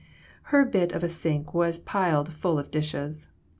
Her bit of a sink was piled full of dishes.